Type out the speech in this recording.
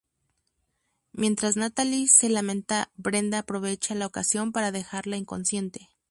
Mientras Natalie se lamenta, Brenda aprovecha la ocasión para dejarla inconsciente.